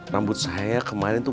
rambut saya kemarin tuh